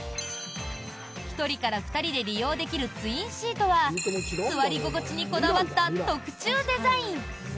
１人から２人で利用できるツインシートは座り心地にこだわった特注デザイン。